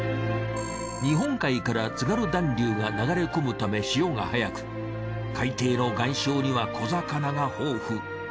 日本海から津軽暖流が流れ込むため潮が速く海底の岩礁には小魚が豊富。